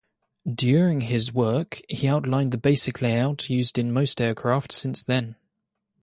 During this work he outlined the basic layout used in most aircraft since then.